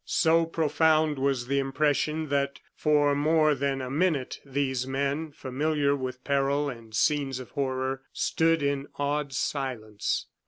So profound was the impression that, for more than a minute, these men, familiar with peril and scenes of horror, stood in awed silence.